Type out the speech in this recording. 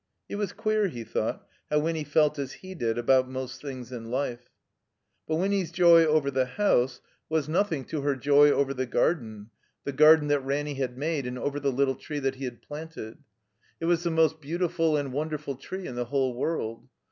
It was queer, he thought, how Winny felt as he did about most things in life. But Winny's joy over the house was nothing to IS9 THE COMBINED MAZE her joy over the garden, the garden that Ranny had made, and over the little tree that he had planted. It was the most beautiful and wonderful tree in the whole world.